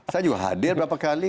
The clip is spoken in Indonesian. saya juga hadir berapa kali